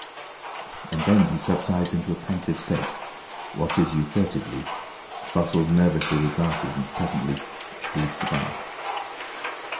And then he subsides into a pensive state, watches you furtively, bustles nervously with glasses, and presently leaves the bar.